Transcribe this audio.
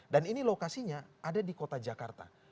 dan ini lokasinya ada di kota jakarta